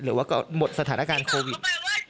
หรือว่าก็หมดสถานการณ์โควิด